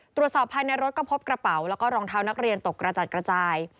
ตรวจสอบภายในรถก็พบกระเป๋าแล้วก็รองเท้านักเรียนตกกระจัดกระจาย